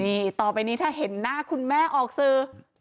นี่ต่อไปนี้ถ้าเห็นหน้าคุณแม่ออกสื่อ